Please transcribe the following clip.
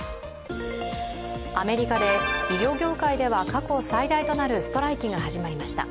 アメリカで医療業界では過去最大となるストライキが始まりました。